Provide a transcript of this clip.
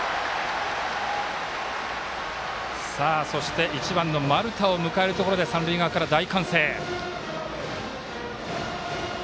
そして１番の丸田を迎えるところで三塁側から大歓声。